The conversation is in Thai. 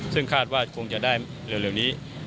ซึ่งคาดว่าคงจะได้เร็วนี้